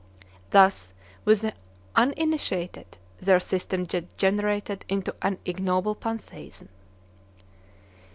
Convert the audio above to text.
Thus, with the uninitiated, their system degenerated into an ignoble pantheism.